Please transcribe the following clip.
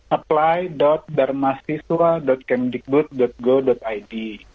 apply dharmasiswa kemdikbud go id